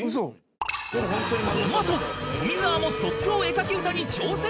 このあと富澤も即興絵描き歌に挑戦！